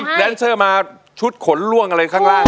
แดนเซอร์มาชุดขนล่วงอะไรข้างล่าง